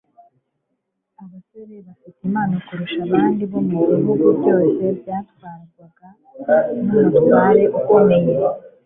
abasore bafite impano kurusha abandi bo mu bihugu byose byatwarwaga n'umutware ukomeye